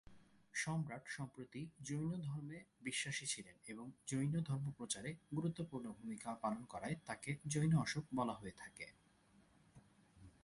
সম্রাট সম্প্রতি জৈন ধর্মে বিশ্বাসী ছিলেন এবং জৈন ধর্ম প্রচারে গুরুত্বপূর্ণ ভূমিকা পালন করায় তাকে জৈন অশোক বলা হয়ে থাকে।